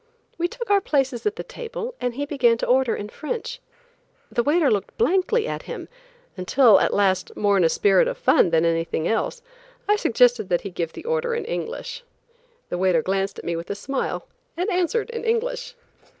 We took our places at the table and he began to order in French. The waiter looked blankly at him until, at last, more in a spirit of fun than anything else, I suggested that he give the order in English. The waiter glanced at me with a smile and answered in English.